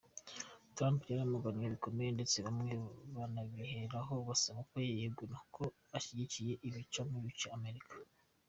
Trump yaramaganywe bikomeye ndetse bamwe banabiheraho basaba ko yegura kuko ashyigikiye ibicamo ibice abanyamerika.